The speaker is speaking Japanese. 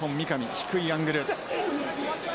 低いアングル。